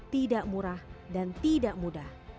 tidak murah dan tidak mudah